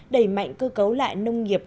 đẩy mạnh cơ cấu lại nông nghiệp